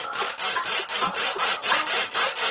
څوک د بریا د خوند څکلو لپاره زیاته بیه پرې کوي؟